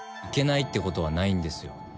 いけないってことはないんですよ。